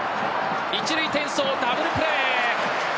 一塁転送、ダブルプレー。